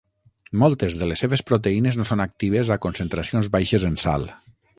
Moltes de les seves proteïnes no són actives a concentracions baixes en sal.